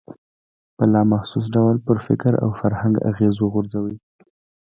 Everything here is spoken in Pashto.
په لا محسوس ډول پر فکر او فرهنګ اغېز وغورځوي.